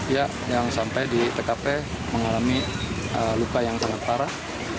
ya yang sampai di tkp mengalami luka yang sangat parah